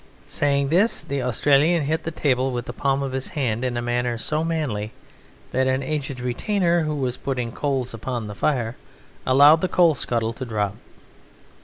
Saying this, the Australian hit the table with the palm, of his hand in a manner so manly that an aged retainer who was putting coals upon the fire allowed the coal scuttle to drop.